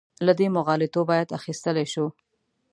له دې مغالطو باید اخیستلی شو.